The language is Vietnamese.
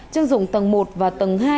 chứng dụng tầng một và tầng hai